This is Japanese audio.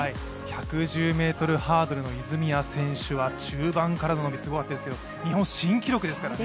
１１０ｍハードルの泉谷選手は中盤からの伸び、すごかったですけど日本新記録ですからね。